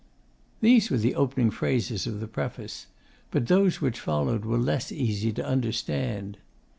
These were the opening phrases of the preface, but those which followed were less easy to understand.